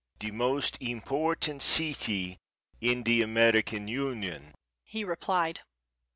"The most important city in the American Union," he replied.